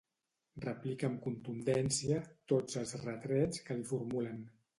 Replica amb contundència tots els retrets que li formulen.